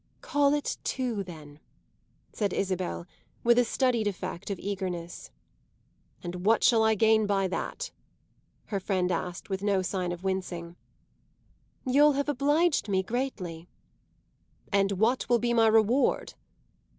"Call it two then," said Isabel with a studied effect of eagerness. "And what shall I gain by that?" her friend asked with no sign of wincing. "You'll have obliged me greatly." "And what will be my reward?"